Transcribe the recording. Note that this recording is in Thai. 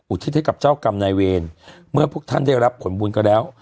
ทิศให้กับเจ้ากรรมนายเวรเมื่อพวกท่านได้รับผลบุญก็แล้ว